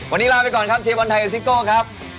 วันนี้ลาไปก่อนครับเชฟบอลไทยกับซิโก้ครับ